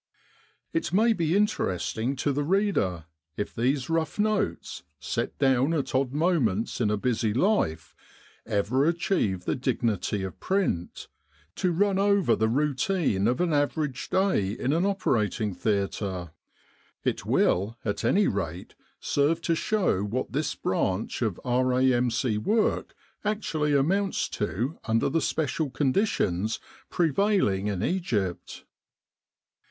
" It may be interesting to the reader if these rough notes, set down at odd moments in a busy life, With the R.A.M.C. in Egypt ever achieve the dignity of print to run over the routine of an average day in an operating theatre : it will at any rate serve to show what this branch of R.A.M.C. work actually amounts to under the special conditions prevailing in Egypt.